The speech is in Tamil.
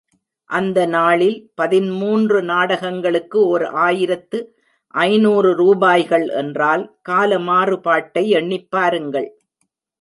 அந்த நாளில் பதிமூன்று நாடகங்களுக்கு ஓர் ஆயிரத்து ஐநூறு ரூபாய்கள் என்றால், கால மாறுபாட்டை எண்ணிப் பாருங்கள்.